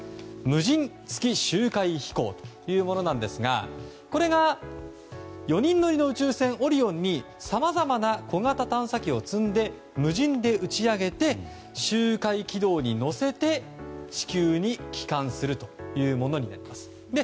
無人月周回飛行というものなんですがこれが４人乗りの宇宙船「オリオン」にさまざまな小型探査機を積んで無人で打ち上げて軌道に乗せて地球に帰還するというものになります。